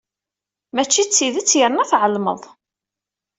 Mačči d tidet, yerna tɛelmeḍ.